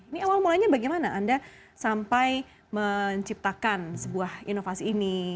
ini awal mulanya bagaimana anda sampai menciptakan sebuah inovasi ini